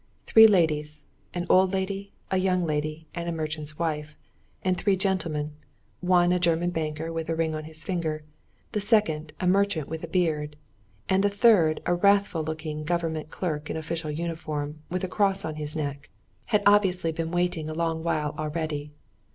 Three ladies—an old lady, a young lady, and a merchant's wife—and three gentlemen—one a German banker with a ring on his finger, the second a merchant with a beard, and the third a wrathful looking government clerk in official uniform, with a cross on his neck—had obviously been waiting a long while already.